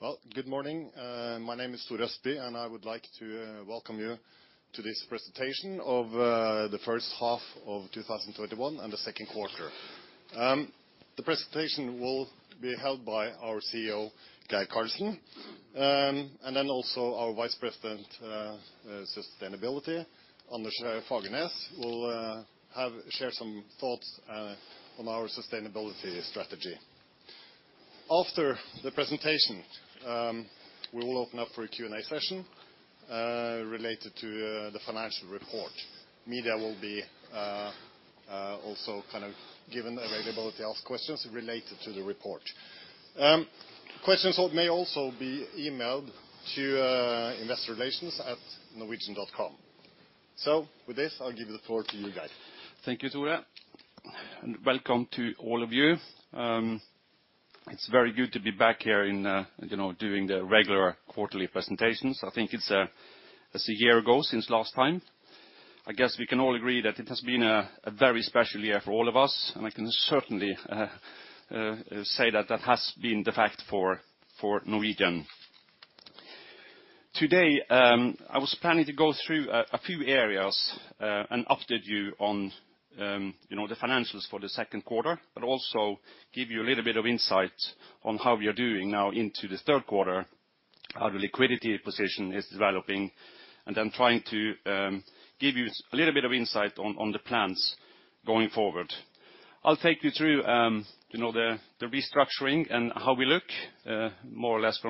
Well, good morning. My name is Tore Østby. I would like to welcome you to this presentation of the first half of 2021 and the second quarter. The presentation will be held by our CEO, Geir Karlsen. Also our Vice President, Sustainability, Anders Fagernæs, will share some thoughts on our sustainability strategy. After the presentation, we will open up for a Q&A session related to the financial report. Media will be also given the availability to ask questions related to the report. Questions may also be emailed to investor.relations@norwegian.com. With this, I'll give the floor to you, Geir. Thank you, Tore, welcome to all of you. It's very good to be back here doing the regular quarterly presentations. I think it's a year ago since last time. I guess we can all agree that it has been a very special year for all of us, and I can certainly say that that has been the fact for Norwegian. Today, I was planning to go through a few areas and update you on the financials for the second quarter, but also give you a little bit of insight on how we are doing now into the third quarter, how the liquidity position is developing, and then trying to give you a little bit of insight on the plans going forward. I'll take you through the restructuring and how we look, more or less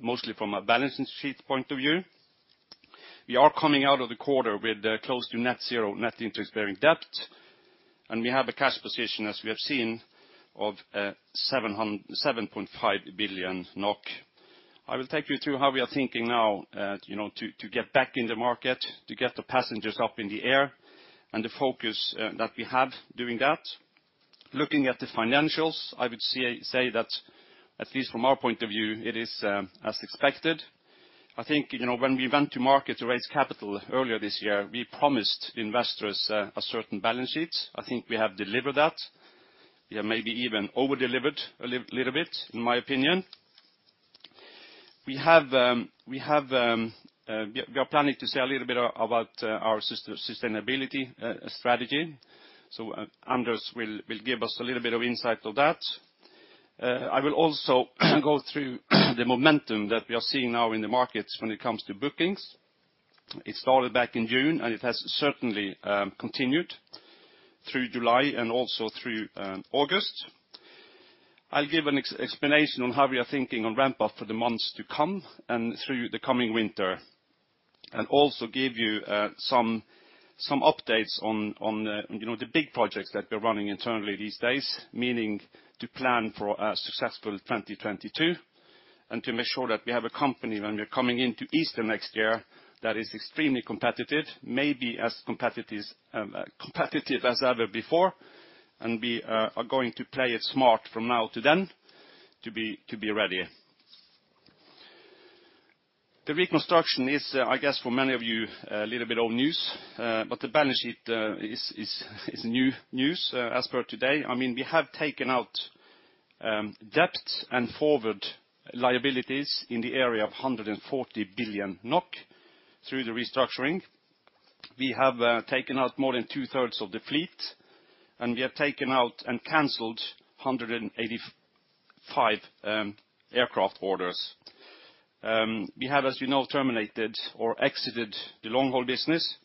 mostly from a balance sheet point of view. We are coming out of the quarter with close to net zero net interest-bearing debt, and we have a cash position, as we have seen, of 7.5 billion NOK. I will take you through how we are thinking now to get back in the market, to get the passengers up in the air, and the focus that we have doing that. Looking at the financials, I would say that at least from our point of view, it is as expected. I think, when we went to market to raise capital earlier this year, we promised investors a certain balance sheet. I think we have delivered that, maybe even over-delivered a little bit in my opinion. We are planning to say a little bit about our sustainability strategy, so Anders will give us a little bit of insight on that. I will also go through the momentum that we are seeing now in the markets when it comes to bookings. It started back in June, and it has certainly continued through July and also through August. I'll give an explanation on how we are thinking on ramp-up for the months to come and through the coming winter. Also give you some updates on the big projects that we're running internally these days, meaning to plan for a successful 2022 and to make sure that we have a company when we're coming into Easter next year that is extremely competitive, maybe as competitive as ever before. We are going to play it smart from now to then to be ready. The reconstruction is, I guess, for many of you, a little bit old news. The balance sheet is new news as per today. We have taken out debt and forward liabilities in the area of 140 billion NOK through the restructuring. We have taken out more than two-thirds of the fleet, and we have taken out and canceled 185 aircraft orders. We have, as you know, terminated or exited the long-haul business,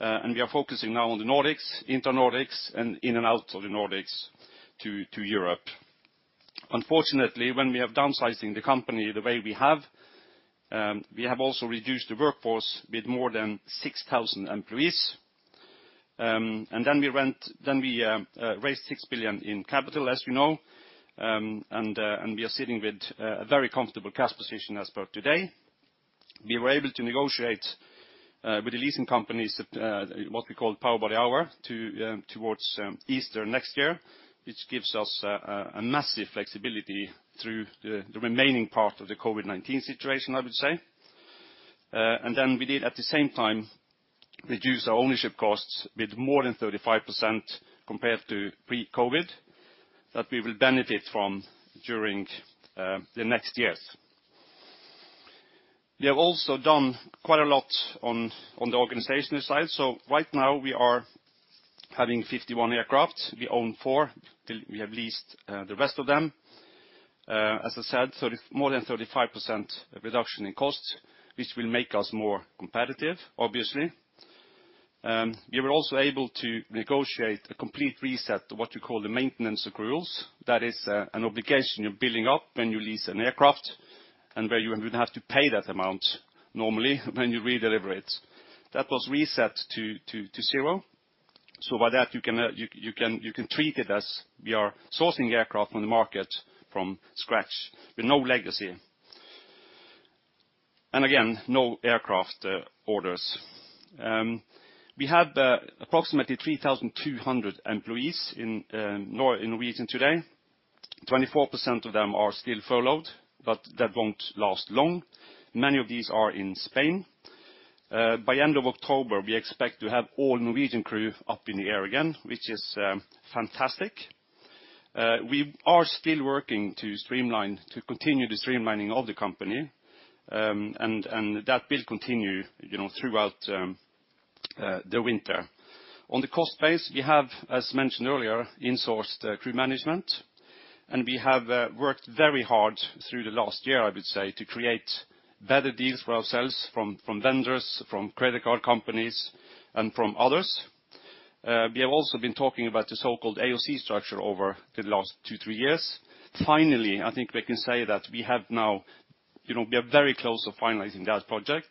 and we are focusing now on the Nordics, Inter Nordics, and in and out of the Nordics to Europe. Unfortunately, when we are downsizing the company the way we have, we have also reduced the workforce with more than 6,000 employees. Then we raised 6 billion in capital, as you know, and we are sitting with a very comfortable cash position as per today. We were able to negotiate with the leasing companies, what we call power-by-the-hour towards Easter next year, which gives us a massive flexibility through the remaining part of the COVID-19 situation, I would say. We did at the same time, reduce our ownership costs with more than 35% compared to pre-COVID that we will benefit from during the next years. We have also done quite a lot on the organizational side. Right now we are having 51 aircraft. We own four. We have leased the rest of them. As I said, more than 35% reduction in costs, which will make us more competitive, obviously. We were also able to negotiate a complete reset of what you call the maintenance accruals. That is an obligation you're building up when you lease an aircraft and where you would have to pay that amount normally when you redeliver it. That was reset to zero. By that, you can treat it as we are sourcing aircraft on the market from scratch with no legacy. Again, no aircraft orders. We have approximately 3,200 employees in Norwegian today. 24% of them are still furloughed, but that won't last long. Many of these are in Spain. By end of October, we expect to have all Norwegian crew up in the air again, which is fantastic. We are still working to continue the streamlining of the company, and that will continue throughout the winter. On the cost base, we have, as mentioned earlier, insourced the crew management, and we have worked very hard through the last year, I would say, to create better deals for ourselves from vendors, from credit card companies, and from others. We have also been talking about the so-called AOC structure over the last two, three years. Finally, I think we can say that we are very close to finalizing that project.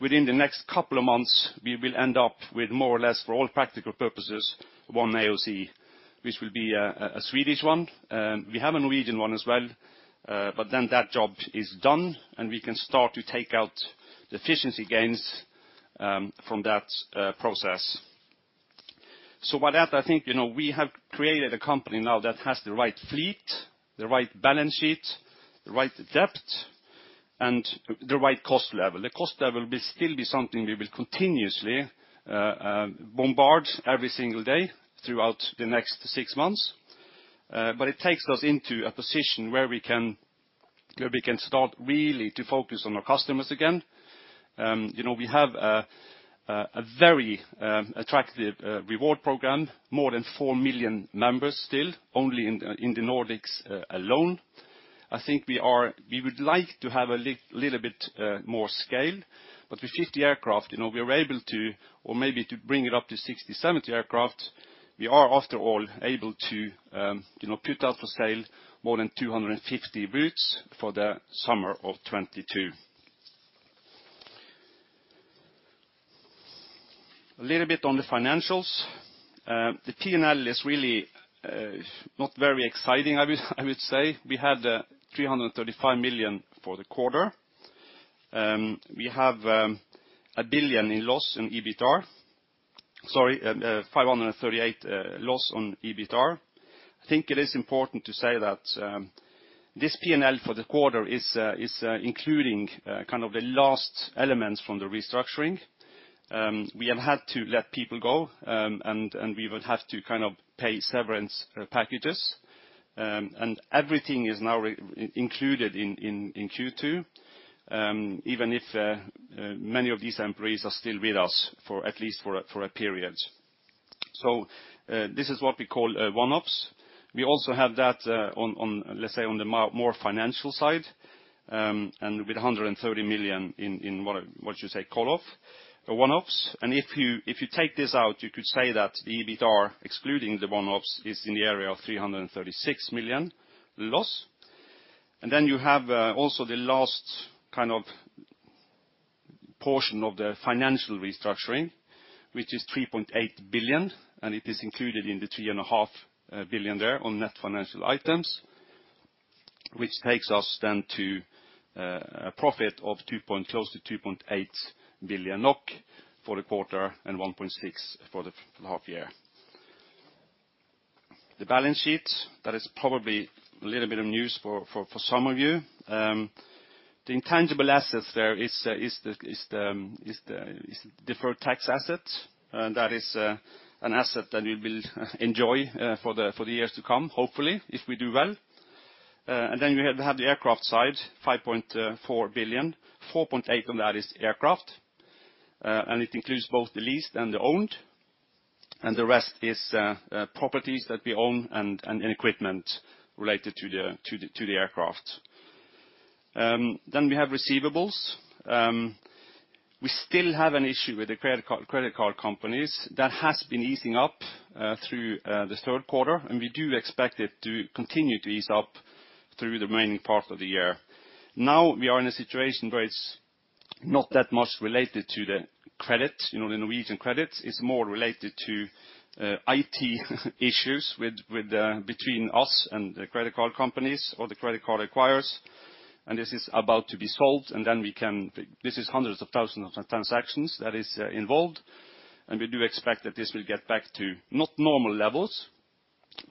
Within the next couple of months, we will end up with more or less, for all practical purposes, one AOC, which will be a Swedish one. We have a Norwegian one as well, but then that job is done, and we can start to take out the efficiency gains from that process. With that, I think we have created a company now that has the right fleet, the right balance sheet, the right depth, and the right cost level. The cost level will still be something we will continuously bombard every single day throughout the next six months. It takes us into a position where we can start really to focus on our customers again. We have a very attractive reward program, more than 4 million members still, only in the Nordics alone. I think we would like to have a little bit more scale, but with 50 aircraft, we are able to, or maybe to bring it up to 60, 70 aircraft. We are, after all, able to put out for sale more than 250 routes for the summer of 2022. A little bit on the financials. The P&L is really not very exciting, I would say. We had 335 million for the quarter. We have 1 billion in loss in EBITDAR. Sorry, 538 million loss on EBITDAR. I think it is important to say that this P&L for the quarter is including the last elements from the restructuring. We have had to let people go, and we would have to pay severance packages. Everything is now included in Q2, even if many of these employees are still with us at least for a period. This is what we call one-offs. We also have that on, let's say, on the more financial side, and with 130 million in, what you say, call-off one-offs. If you take this out, you could say that the EBITDAR, excluding the one-offs, is in the area of 336 million loss. You have also the last portion of the financial restructuring, which is 3.8 billion, and it is included in the 3.5 billion there on net financial items, which takes us then to a profit of close to 2.8 billion NOK for the quarter and 1.6 billion for the half year. The balance sheet, that is probably a little bit of news for some of you. The intangible assets there is the deferred tax asset. That is an asset that we will enjoy for the years to come, hopefully, if we do well. We have the aircraft side, 5.4 billion. 4.8 billion of that is aircraft, and it includes both the leased and the owned, and the rest is properties that we own and equipment related to the aircraft. We have receivables. We still have an issue with the credit card companies. That has been easing up through this third quarter, and we do expect it to continue to ease up through the remaining part of the year. Now we are in a situation where it's not that much related to the credit, the Norwegian credits. It's more related to IT issues between us and the credit card companies or the credit card acquirers, and this is about to be solved. This is hundreds of thousands of transactions that is involved, and we do expect that this will get back to not normal levels,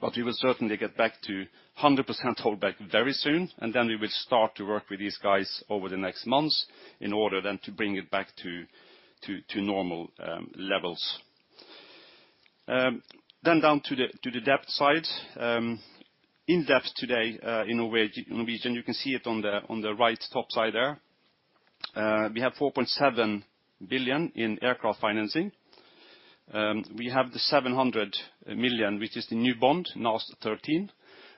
but we will certainly get back to 100% holdback very soon, and then we will start to work with these guys over the next months in order then to bring it back to normal levels. Down to the debt side. In debt today in Norwegian, you can see it on the right top side there. We have 4.7 billion in aircraft financing. We have the 700 million, which is the new bond, NAS13.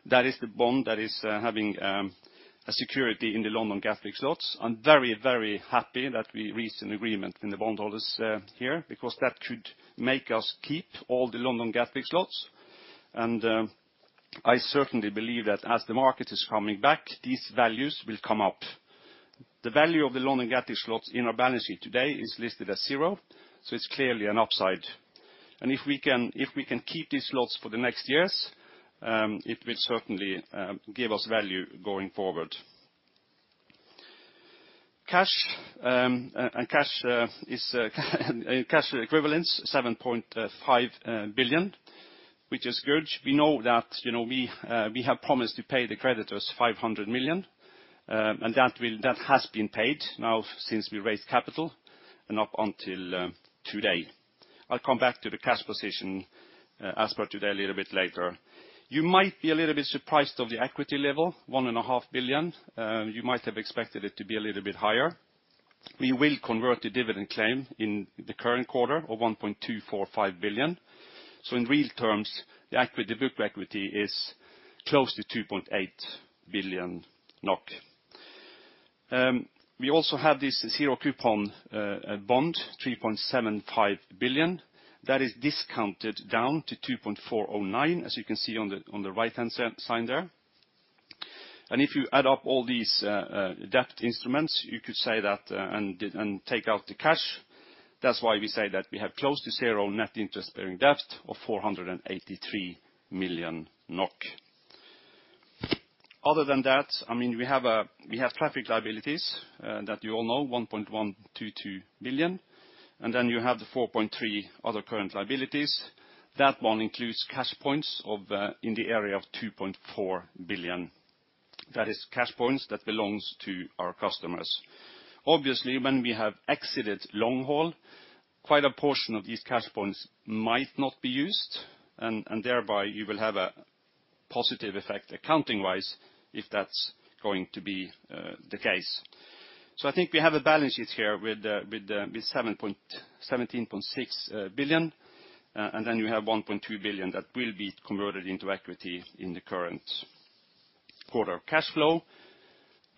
That is the bond that is having a security in the London-Gatwick slots. I'm very, very happy that we reached an agreement with the bondholders here because that could make us keep all the London-Gatwick slots. I certainly believe that as the market is coming back, these values will come up. The value of the London-Gatwick slots in our balance sheet today is listed as zero, so it's clearly an upside. If we can keep these slots for the next years, it will certainly give us value going forward. Cash equivalents, 7.5 billion. Which is good. We know that we have promised to pay the creditors 500 million, and that has been paid now since we raised capital and up until today. I will come back to the cash position as per today a little bit later. You might be a little bit surprised of the equity level, 1.5 billion. You might have expected it to be a little bit higher. We will convert the dividend claim in the current quarter of 1.245 billion. In real terms, the book equity is close to 2.8 billion NOK. We also have this zero coupon bond, 3.75 billion. That is discounted down to 2.409 billion, as you can see on the right-hand side there. If you add up all these debt instruments, and take out the cash, that is why we say that we have close to zero net interest bearing debt of 483 million NOK. Other than that, we have traffic liabilities that you all know, 1.122 billion, you have the 4.3 billion other current liabilities. That one includes CashPoints in the area of 2.4 billion. That is CashPoints that belongs to our customers. Obviously, when we have exited long haul, quite a portion of these CashPoints might not be used, and thereby you will have a positive effect accounting-wise if that's going to be the case. I think we have a balance sheet here with 17.6 billion, and then you have 1.2 billion that will be converted into equity in the current quarter. Cash flow,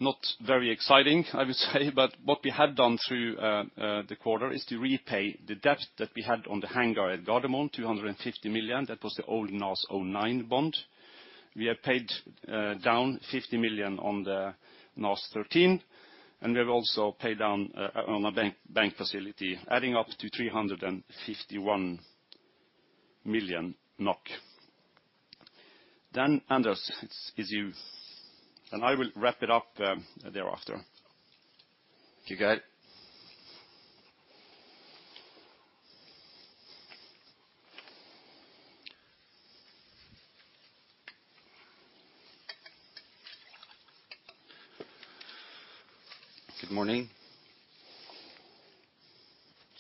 not very exciting, I would say, but what we had done through the quarter is to repay the debt that we had on the hangar at Gardermoen, 250 million. That was the old NAS09 bond. We have paid down 50 million on the NAS13, and we have also paid down on a bank facility, adding up to 351 million NOK. Anders, it's you. I will wrap it up thereafter. Thank you, Geir. Good morning.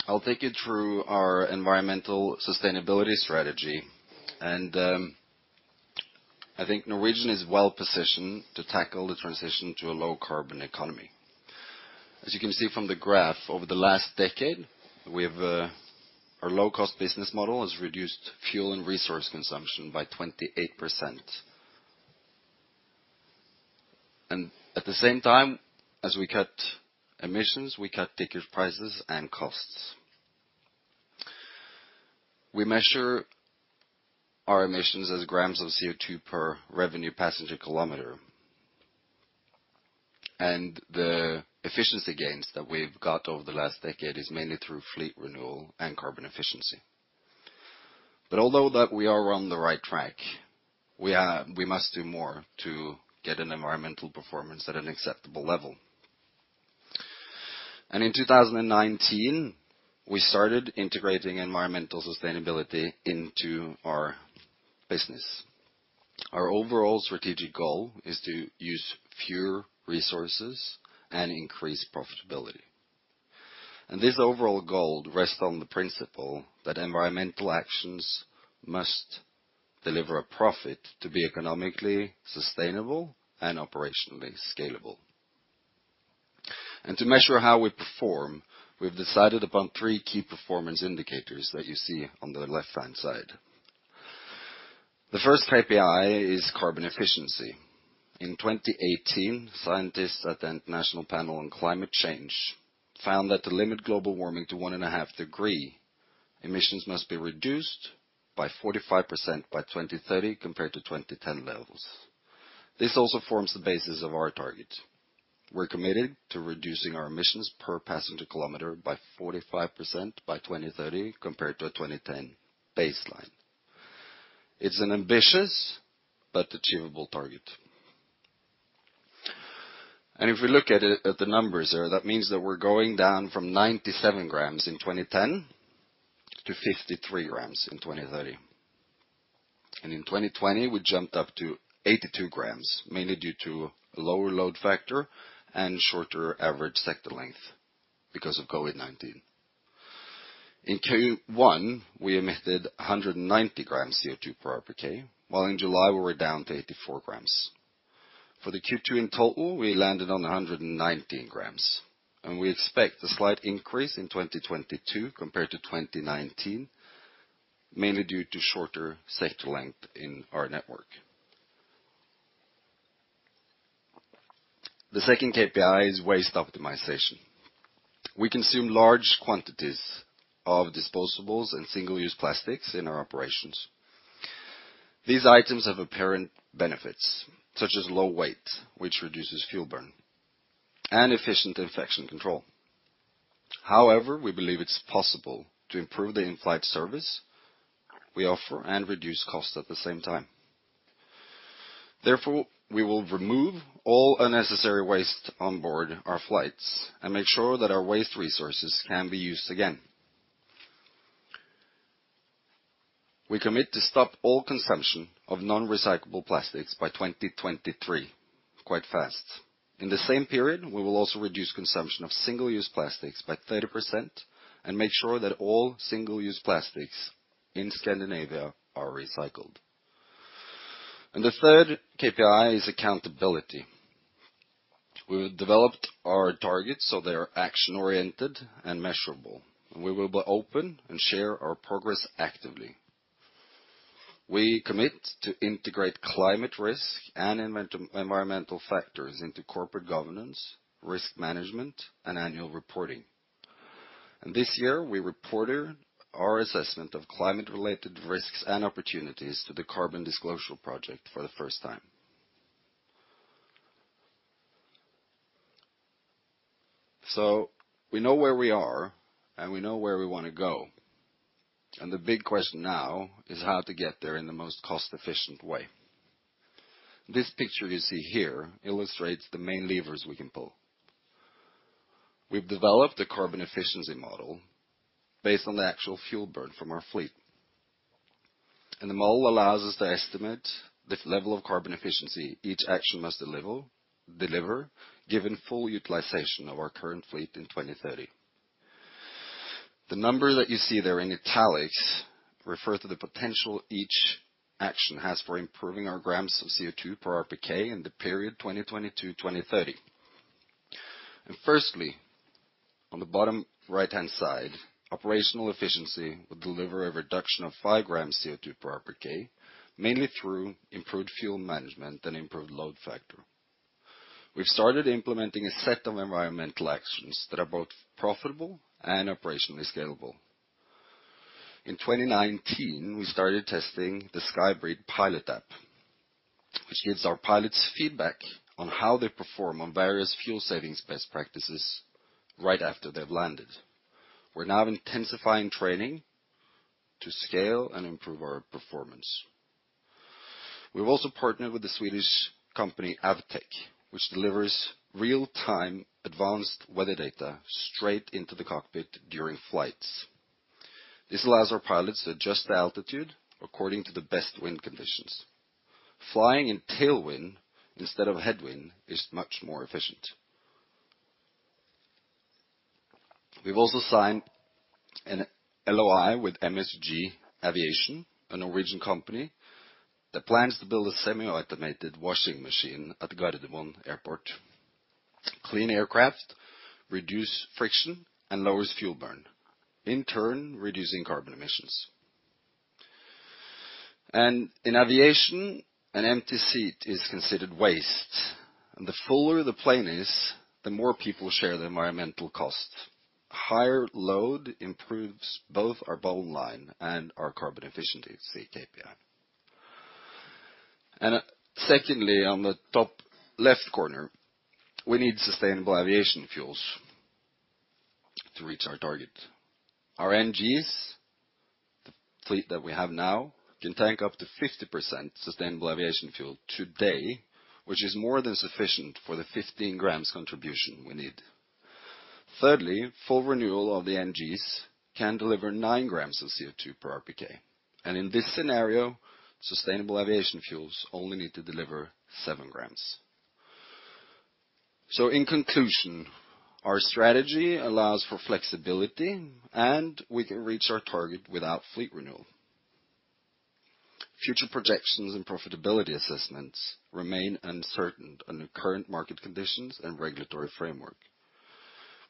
I'll take you through our environmental sustainability strategy. I think Norwegian is well-positioned to tackle the transition to a low-carbon economy. As you can see from the graph, over the last decade, our low-cost business model has reduced fuel and resource consumption by 28%. At the same time, as we cut emissions, we cut ticket prices and costs. We measure our emissions as grams of CO2 per revenue passenger kilometer. The efficiency gains that we've got over the last decade is mainly through fleet renewal and carbon efficiency. Although that we are on the right track, we must do more to get an environmental performance at an acceptable level. In 2019, we started integrating environmental sustainability into our business. Our overall strategic goal is to use fewer resources and increase profitability. This overall goal rests on the principle that environmental actions must deliver a profit to be economically sustainable and operationally scalable. To measure how we perform, we've decided upon three key performance indicators that you see on the left-hand side. The first KPI is carbon efficiency. In 2018, scientists at the Intergovernmental Panel on Climate Change found that to limit global warming to 1.5 degree, emissions must be reduced by 45% by 2030 compared to 2010 levels. This also forms the basis of our target. We're committed to reducing our emissions per passenger kilometer by 45% by 2030 compared to a 2010 baseline. It's an ambitious but achievable target. If we look at the numbers there, that means that we're going down from 97 grams in 2010 to 53 grams in 2030. In 2020, we jumped up to 82 grams, mainly due to lower load factor and shorter average sector length because of COVID-19. In Q1, we emitted 190 grams CO2 per RPK, while in July we were down to 84 grams. For the Q2 in total, we landed on 119 grams, and we expect a slight increase in 2022 compared to 2019, mainly due to shorter sector length in our network. The second KPI is waste optimization. We consume large quantities of disposables and single-use plastics in our operations. These items have apparent benefits, such as low weight, which reduces fuel burn, and efficient infection control. However, we believe it's possible to improve the in-flight service we offer and reduce cost at the same time. Therefore, we will remove all unnecessary waste on board our flights and make sure that our waste resources can be used again. We commit to stop all consumption of non-recyclable plastics by 2023, quite fast. In the same period, we will also reduce consumption of single-use plastics by 30% and make sure that all single-use plastics in Scandinavia are recycled. The third KPI is accountability. We've developed our targets so they are action-oriented and measurable, and we will be open and share our progress actively. We commit to integrate climate risk and environmental factors into corporate governance, risk management, and annual reporting. This year, we reported our assessment of climate-related risks and opportunities to the Carbon Disclosure Project for the first time. We know where we are, and we know where we want to go. The big question now is how to get there in the most cost-efficient way. This picture you see here illustrates the main levers we can pull. We've developed a carbon efficiency model based on the actual fuel burn from our fleet. The model allows us to estimate the level of carbon efficiency each action must deliver, given full utilization of our current fleet in 2030. The number that you see there in italics refers to the potential each action has for improving our grams of CO2 per RPK in the period 2020-2030. Firstly, on the bottom right-hand side, operational efficiency will deliver a reduction of 5 grams CO2 per RPK, mainly through improved fuel management and improved load factor. We've started implementing a set of environmental actions that are both profitable and operationally scalable. In 2019, we started testing the SkyBreathe Pilot App, which gives our pilots feedback on how they perform on various fuel savings best practices right after they've landed. We're now intensifying training to scale and improve our performance. We've also partnered with the Swedish company AVTECH, which delivers real-time advanced weather data straight into the cockpit during flights. This allows our pilots to adjust the altitude according to the best wind conditions. Flying in tailwind instead of headwind is much more efficient. We've also signed an LOI with MSG Aviation, a Norwegian company that plans to build a semi-automated washing machine at Gardermoen Airport. Clean aircraft reduce friction and lowers fuel burn, in turn, reducing carbon emissions. In aviation, an empty seat is considered waste, and the fuller the plane is, the more people share the environmental cost. Higher load improves both our bottom line and our carbon efficiency KPI. Secondly, on the top left corner, we need sustainable aviation fuels to reach our target. Our NGs fleet that we have now can tank up to 50% sustainable aviation fuel today, which is more than sufficient for the 15 grams contribution we need. Thirdly, full renewal of the NGs can deliver 9 grams of CO2 per RPK. In this scenario, sustainable aviation fuels only need to deliver 7 grams. In conclusion, our strategy allows for flexibility, and we can reach our target without fleet renewal. Future projections and profitability assessments remain uncertain under current market conditions and regulatory framework.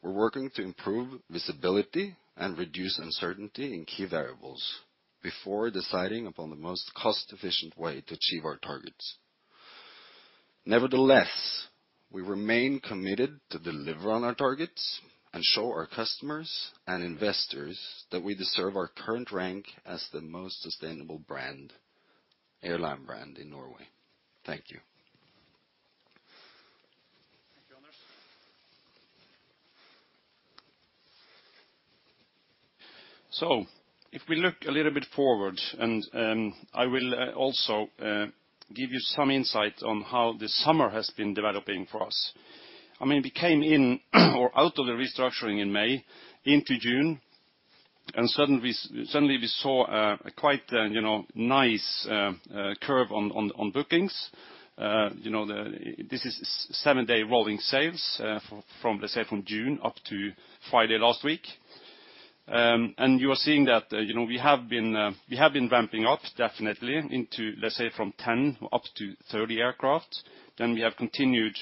We're working to improve visibility and reduce uncertainty in key variables before deciding upon the most cost-efficient way to achieve our targets. Nevertheless, we remain committed to deliver on our targets and show our customers and investors that we deserve our current rank as the most sustainable airline brand in Norway. Thank you. Thank you, Anders. If we look a little bit forward and, I will also give you some insight on how this summer has been developing for us. We came in or out of the restructuring in May into June, and suddenly we saw a quite nice curve on bookings. This is seven-day rolling sales, from June up to Friday last week. You are seeing that we have been ramping up definitely into, let's say from 10 up to 30 aircraft. We have continued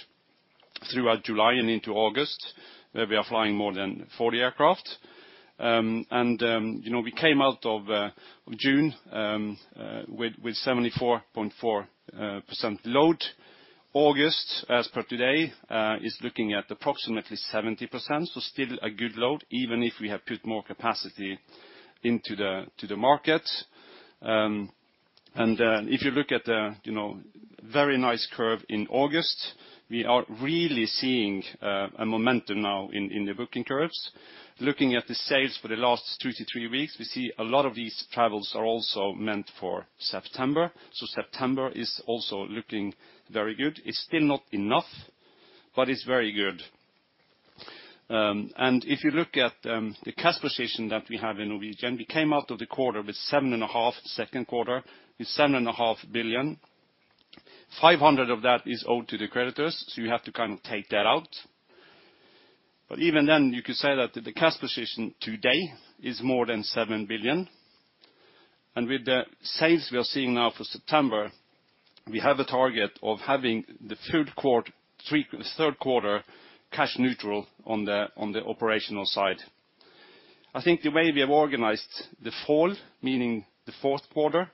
throughout July and into August, where we are flying more than 40 aircraft. We came out of June with 74.4% load. August, as per today, is looking at approximately 70%, so still a good load even if we have put more capacity into the market. If you look at the very nice curve in August, we are really seeing a momentum now in the booking curves. Looking at the sales for the last two to three weeks, we see a lot of these travels are also meant for September. September is also looking very good. It's still not enough, but it's very good. If you look at the cash position that we have in Norwegian, we came out of the second quarter with 7.5 billion. 500 million of that is owed to the creditors, so you have to take that out. Even then, you could say that the cash position today is more than 7 billion. With the sales we are seeing now for September, we have a target of having the third quarter cash neutral on the operational side. I think the way we have organized the fall, meaning the fourth quarter,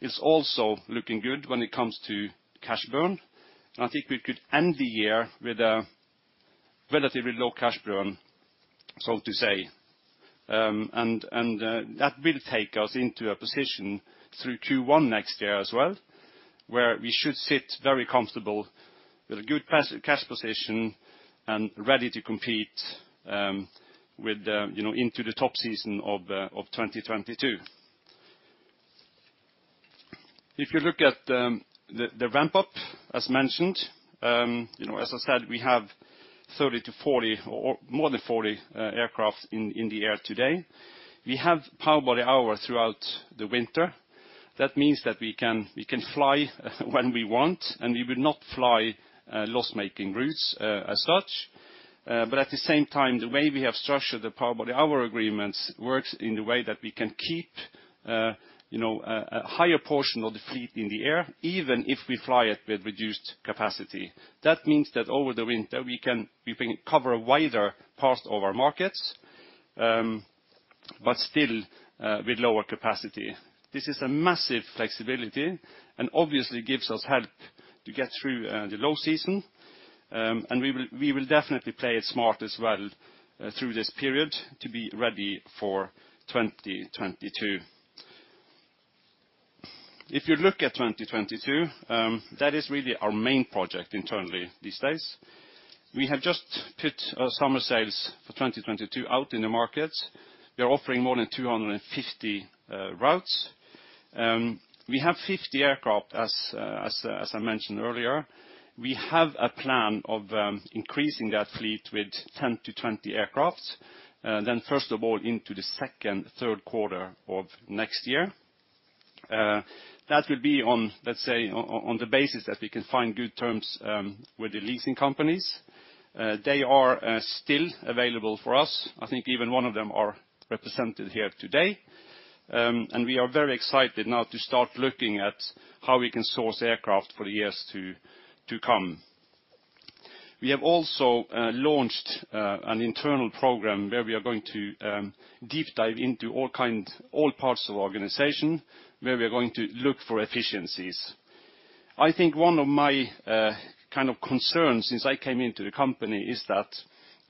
is also looking good when it comes to cash burn. I think we could end the year with a relatively low cash burn, so to say, and that will take us into a position through Q1 next year as well, where we should sit very comfortable with a good cash position and ready to compete into the top season of 2022. If you look at the ramp-up, as mentioned, as I said, we have 30-40 or more than 40 aircrafts in the air today. We have power-by-the-hour throughout the winter. That means that we can fly when we want, and we will not fly loss-making routes as such. At the same time, the way we have structured the power-by-the-hour agreements works in the way that we can keep a higher portion of the fleet in the air, even if we fly it with reduced capacity. That means that over the winter, we can cover a wider part of our markets, but still with lower capacity. This is a massive flexibility and obviously gives us help to get through the low season. We will definitely play it smart as well through this period to be ready for 2022. If you look at 2022, that is really our main project internally these days. We have just put our summer sales for 2022 out in the market. We are offering more than 250 routes. We have 50 aircraft, as I mentioned earlier. We have a plan of increasing that fleet with 10-20 aircraft, first of all, into the second, third quarter of next year. That will be on, let's say, on the basis that we can find good terms with the leasing companies. They are still available for us. I think even one of them are represented here today. We are very excited now to start looking at how we can source aircraft for the years to come. We have also launched an internal program where we are going to deep dive into all parts of our organization, where we are going to look for efficiencies. I think one of my concerns since I came into the company is that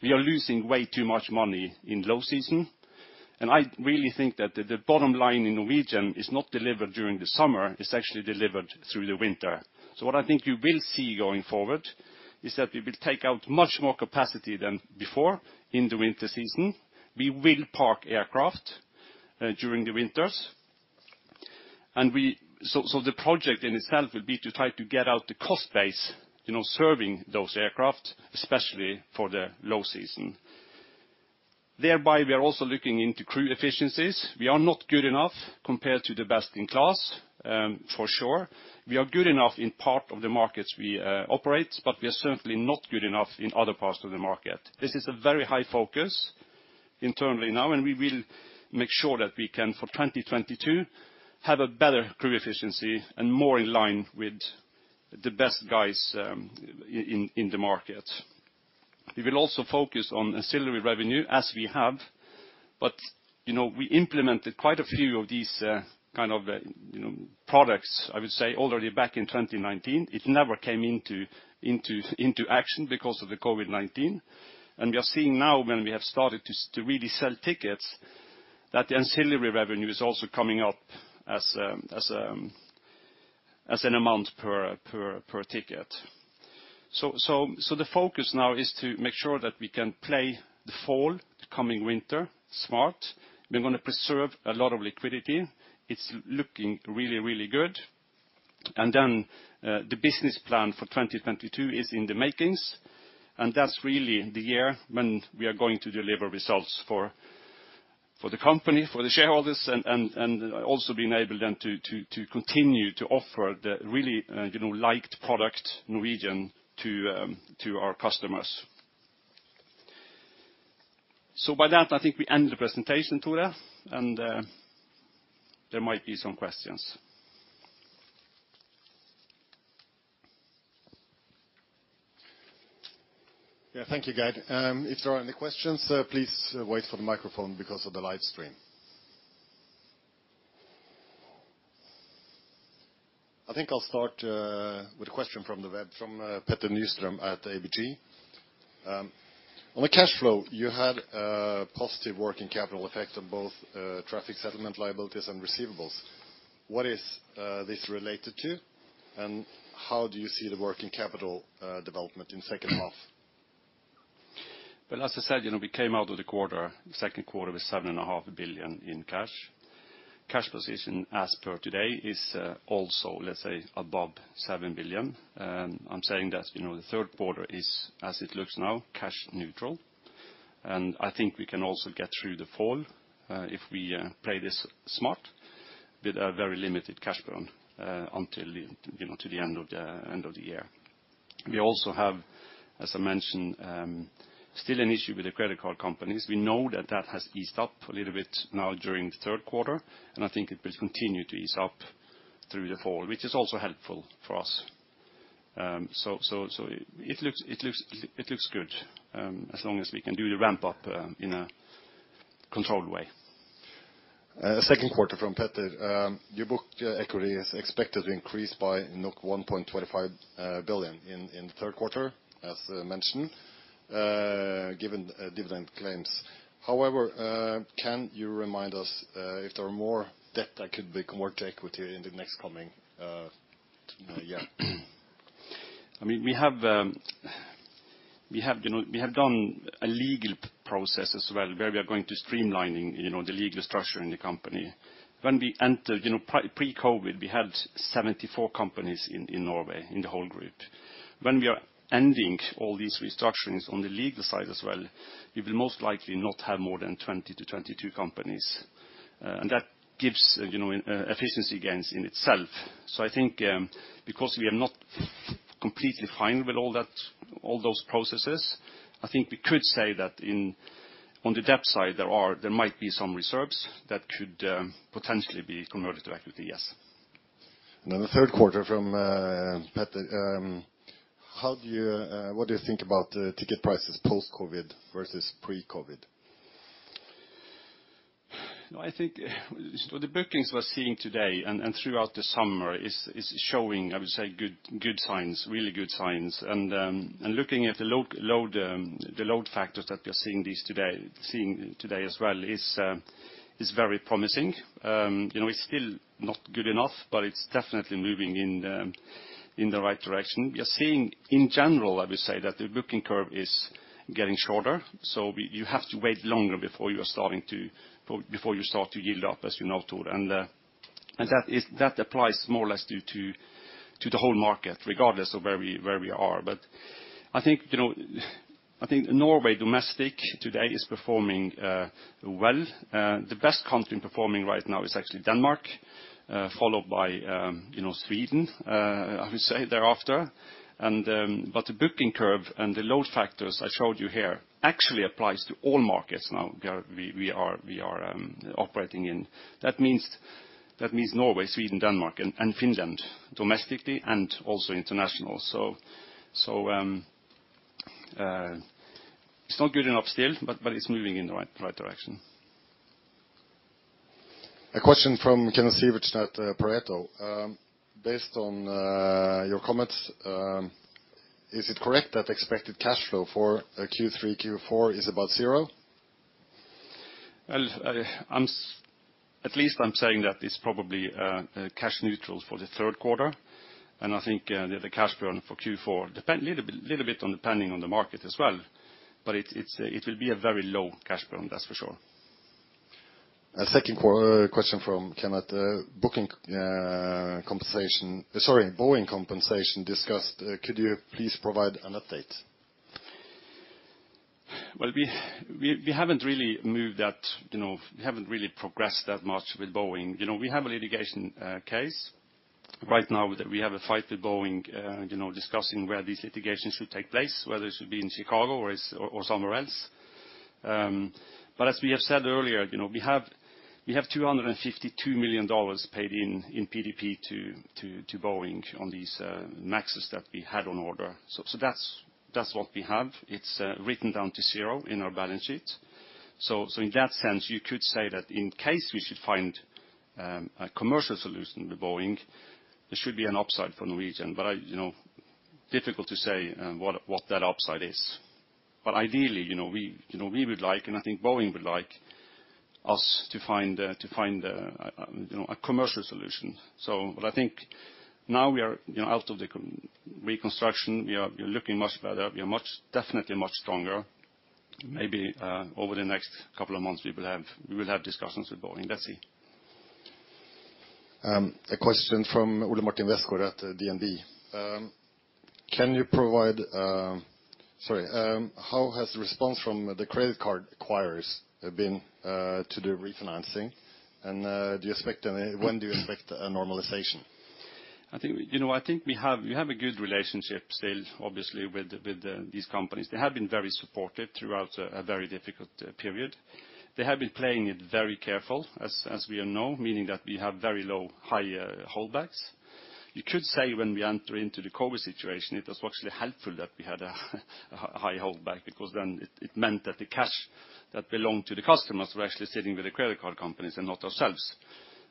we are losing way too much money in low season. I really think that the bottom line in Norwegian is not delivered during the summer, it's actually delivered through the winter. What I think you will see going forward is that we will take out much more capacity than before in the winter season. We will park aircraft during the winters. The project in itself will be to try to get out the cost base serving those aircrafts, especially for the low season. Thereby, we are also looking into crew efficiencies. We are not good enough compared to the best in class, for sure. We are good enough in part of the markets we operate, but we are certainly not good enough in other parts of the market. This is a very high focus internally now, and we will make sure that we can, for 2022, have a better crew efficiency and more in line with the best guys in the market. We will also focus on ancillary revenue as we have, but we implemented quite a few of these kind of products, I would say, already back in 2019. It never came into action because of the COVID-19. We are seeing now when we have started to really sell tickets, that the ancillary revenue is also coming up as an amount per ticket. The focus now is to make sure that we can play the fall, the coming winter, smart. We're going to preserve a lot of liquidity. It's looking really, really good. The business plan for 2022 is in the makings, and that's really the year when we are going to deliver results for the company, for the shareholders, and also being able then to continue to offer the really liked product, Norwegian, to our customers. By that, I think we end the presentation, Tore, and there might be some questions. Yeah, thank you, guys. If there are any questions, please wait for the microphone because of the live stream. I think I'll start with a question from Petter Nystrøm at ABG. On the cash flow, you had a positive working capital effect on both traffic settlement liabilities and receivables. What is this related to, and how do you see the working capital development in second half? Well, as I said, we came out of the second quarter with 7.5 billion in cash. Cash position as per today is also, let's say above 7 billion. I'm saying that the third quarter is, as it looks now, cash neutral. I think we can also get through the fall if we play this smart with a very limited cash burn until to the end of the year. We also have, as I mentioned, still an issue with the credit card companies. We know that has eased up a little bit now during the third quarter, and I think it will continue to ease up through the fall, which is also helpful for us. It looks good, as long as we can do the ramp up in a controlled way. Second quarter from Petter. Your book equity is expected to increase by 1.25 billion in the third quarter, as mentioned, given dividend claims. Can you remind us if there are more debt that could become more to equity in the next coming year? We have done a legal process as well, where we are going to streamlining the legal structure in the company. Pre-COVID, we had 74 companies in Norway in the whole group. When we are ending all these restructurings on the legal side as well, we will most likely not have more than 20-22 companies. That gives efficiency gains in itself. I think because we are not completely fine with all those processes, I think we could say that on the debt side, there might be some reserves that could potentially be converted to equity, yes. The third quarter, from Petter, what do you think about ticket prices post-COVID versus pre-COVID? The bookings we're seeing today and throughout the summer is showing, I would say, really good signs. Looking at the load factors that we are seeing today as well is very promising. It's still not good enough, but it's definitely moving in the right direction. We are seeing in general, I would say, that the booking curve is getting shorter, so you have to wait longer before you start to yield up as you know, Tore. That applies more or less due to the whole market, regardless of where we are. I think Norway domestic today is performing well. The best country performing right now is actually Denmark, followed by Sweden, I would say thereafter. The booking curve and the load factors I showed you here actually applies to all markets now we are operating in. That means Norway, Sweden, Denmark, and Finland, domestically and also international. It's not good enough still, but it's moving in the right direction. A question from Kenneth Sivertsen at Pareto. Based on your comments, is it correct that expected cash flow for Q3, Q4 is about zero? At least I'm saying that it's probably cash neutral for the third quarter, and I think the cash burn for Q4, little bit depending on the market as well, but it will be a very low cash burn, that's for sure. A second question from Kenneth. Boeing compensation discussed, could you please provide an update? We haven't really progressed that much with Boeing. We have a litigation case right now that we have a fight with Boeing, discussing where these litigations should take place, whether it should be in Chicago or somewhere else. As we have said earlier, we have $252 million paid in PDP to Boeing on these MAXs that we had on order. That's what we have. It's written down to zero in our balance sheet. In that sense, you could say that in case we should find a commercial solution with Boeing, there should be an upside for Norwegian. Difficult to say what that upside is. Ideally, we would like, and I think Boeing would like us to find a commercial solution. I think now we are out of the reconstruction, we are looking much better. We are definitely much stronger. Maybe over the next couple of months, we will have discussions with Boeing. Let's see. A question from Ole Martin Westgaard at DNB. How has the response from the credit card acquirers been to the refinancing, and when do you expect a normalization? I think we have a good relationship still, obviously, with these companies. They have been very supportive throughout a very difficult period. They have been playing it very careful, as we all know, meaning that we have very low high holdbacks. You could say when we enter into the COVID situation, it was actually helpful that we had a high holdback, because then it meant that the cash that belonged to the customers was actually sitting with the credit card companies and not ourselves.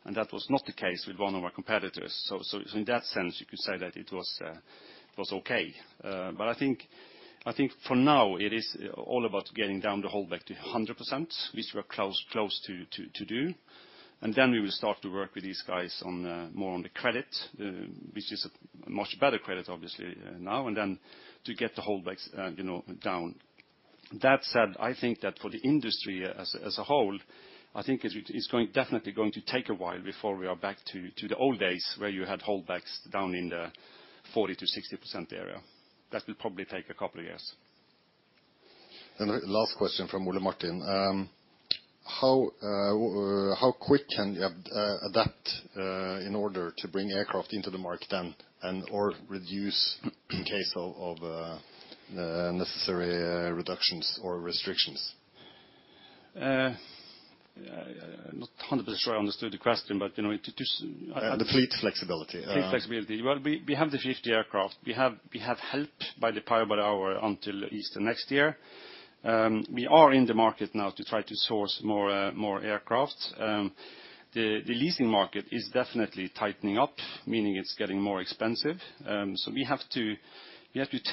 That was not the case with one of our competitors. In that sense, you could say that it was okay. I think for now it is all about getting down the holdback to 100%, which we are close to do, and then we will start to work with these guys more on the credit, which is a much better credit obviously now, and then to get the holdbacks down. That said, I think that for the industry as a whole, I think it's definitely going to take a while before we are back to the old days where you had holdbacks down in the 40%-60% area. That will probably take a couple of years. Last question from Ole Martin. How quick can you adapt in order to bring aircraft into the market and/or reduce in case of necessary reductions or restrictions? I'm not 100% sure I understood the question. The fleet flexibility. Fleet flexibility. Well, we have the 50 aircraft. We have power-by-the-hour until Easter next year. We are in the market now to try to source more aircraft. The leasing market is definitely tightening up, meaning it's getting more expensive. We have to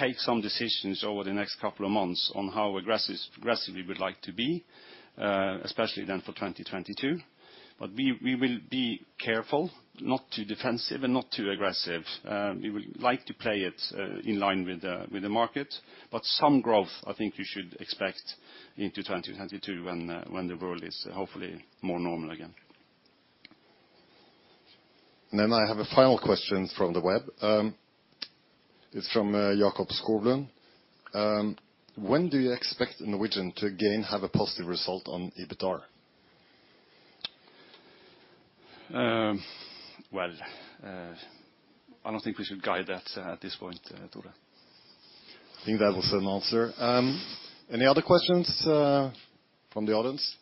take some decisions over the next couple of months on how aggressive we would like to be, especially then for 2022. We will be careful, not too defensive and not too aggressive. We would like to play it in line with the market. Some growth, I think you should expect into 2022 when the world is hopefully more normal again. I have a final question from the web. It's from Jakob Skovlund. When do you expect Norwegian to again have a positive result on EBITDAR? Well, I don't think we should guide that at this point, Tore. I think that was an answer. Any other questions from the audience?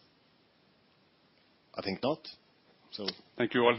I think not. Thank you all.